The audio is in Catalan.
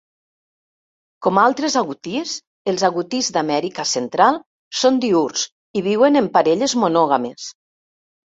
Com altres agutís, els agutís d'Amèrica Central són diürns i viuen en parelles monògames.